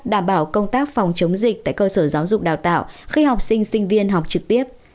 đảm bảo công tác phòng chống dịch tại cơ sở giáo dục đào tạo khi học sinh sinh viên học trực tiếp